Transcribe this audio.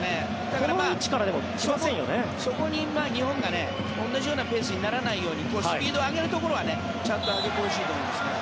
だからそこに日本が同じようなペースにならないようにスピードを上げるところはちゃんと上げてほしいと思いますね。